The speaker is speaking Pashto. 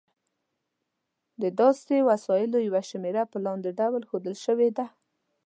د داسې وسایلو یوه شمېره په لاندې ډول ښودل شوې ده.